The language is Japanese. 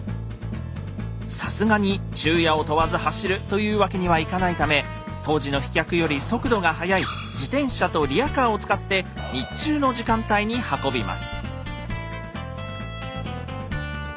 さすがに「昼夜を問わず走る」というわけにはいかないため当時の飛脚より速度が速い自転車とリヤカーを使って日中の時間帯に運びます。